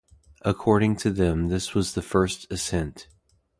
According to them this was the first ascent.